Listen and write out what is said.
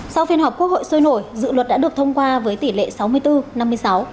sau phiên họp quốc hội sôi nổi dự luật đã được thông qua với tỷ lệ sáu mươi bốn năm mươi sáu